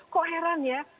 kok heran ya